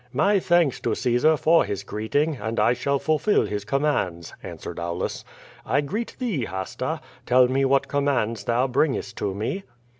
'^ "My thanks to Caesar for his greeting, and I shall fulfill his commands," answered Aulus. "I greet thee, Hasta; tell me what commands thou bringest to me."